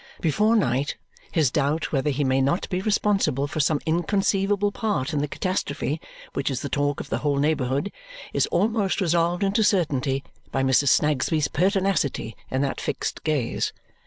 Before night his doubt whether he may not be responsible for some inconceivable part in the catastrophe which is the talk of the whole neighbourhood is almost resolved into certainty by Mrs. Snagsby's pertinacity in that fixed gaze.